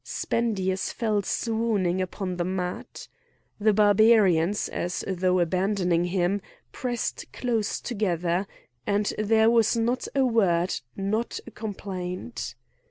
Spendius fell swooning upon the mat. The Barbarians, as though abandoning him, pressed close together; and there was not a word, not a complaint.